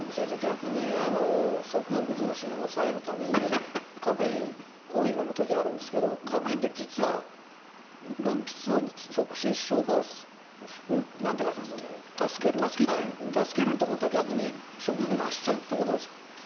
逆に食欲増進を抑えるためにカフェインコーヒーを飲む時があるんですがカフェインって実は分泌を助けるということは逆に食欲が増しちゃうということですか？